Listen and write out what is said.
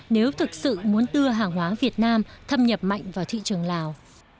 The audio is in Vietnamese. nếu thực sự muốn đưa hàng hóa việt nam thâm nhập mạnh vào thị trường lào